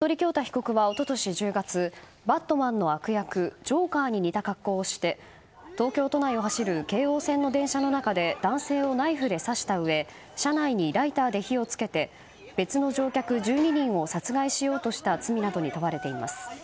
服部恭太被告は一昨年１０月「バットマン」の悪役ジョーカーに似た格好をして東京都内を走る京王線の電車の中で男性をナイフで刺したうえ車内にライターで火をつけて別の乗客１２人を殺害しようとした罪などに問われています。